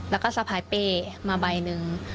แล้วก็สะพายเป้มาใบหนึ่ง